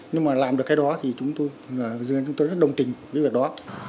nhưng mà làm được cái đó thì chúng tôi rất đồng tình với việc đó